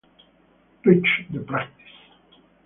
Preach the practise!